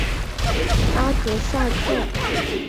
阿格萨克。